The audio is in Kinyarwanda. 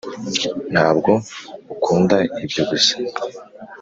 ntabwo ukunda ibyo gusa?